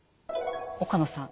岡野さん